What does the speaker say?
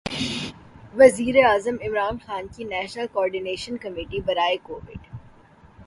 وزیرِ اعظم عمران خان کی نیشنل کوارڈینیشن کمیٹی برائے کوویڈ